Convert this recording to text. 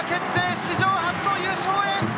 史上初の優勝へ！